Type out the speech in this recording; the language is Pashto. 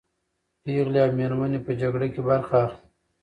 پېغلې او مېرمنې په جګړه کې برخه اخلي.